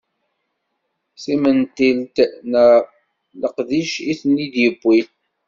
Timentilt neɣ leqdic i ten-id-yewwin.